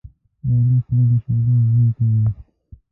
د علي خوله د شیدو بوی کوي.